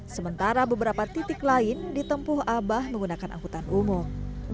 sementara beberapa titik lain ditempuh abah menggunakan angkutan umum